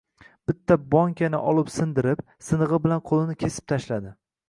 Bitta bonkani olib sindirib, sinig`i bilan qo`lini kesib tashladi